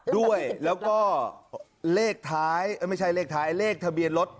ด้วยแล้วก็เลขท้ายไม่ใช่เลขท้ายเลขทะเบียนรถ